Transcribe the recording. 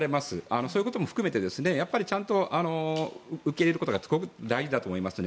そういうことも含めてちゃんと受け入れることが大事だと思いますね。